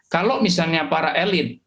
kalau misalnya para elit